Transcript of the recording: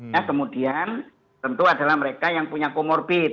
nah kemudian tentu adalah mereka yang punya komorbid